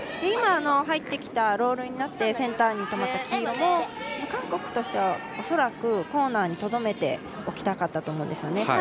今、入ってきた、ロールになってセンターに止まった黄色も韓国としては恐らくコーナーにとどめておきたかったと思うんですね。